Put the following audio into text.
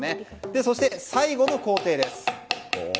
そして最後の工程です。